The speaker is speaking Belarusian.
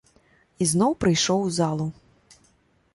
Ізноў прыйшоў у залу.